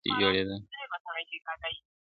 نه زما زخم د لکۍ سي جوړېدلای.!